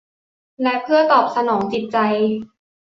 และเพื่อตอบสนองจิตใจ